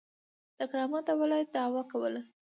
د کرامت او ولایت دعوه کوله.